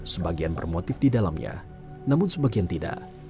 sebagian bermotif di dalamnya namun sebagian tidak